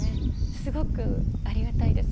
すごくありがたいです。